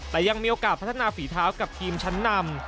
แต่ยังมีโอกาสพัฒนาฝีเท้ากับทีมชั้นนำ